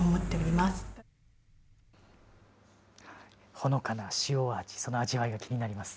ほのかな塩味、その味わいが気になります。